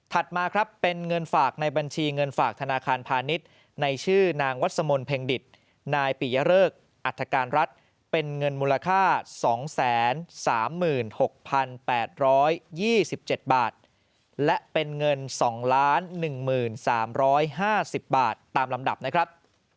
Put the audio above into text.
มาครับเป็นเงินฝากในบัญชีเงินฝากธนาคารพาณิชย์ในชื่อนางวัสมนต์เพ็งดิตนายปิยเริกอัฐการรัฐเป็นเงินมูลค่า๒๓๖๘๒๗บาทและเป็นเงิน๒๑๓๕๐บาทตามลำดับนะครับ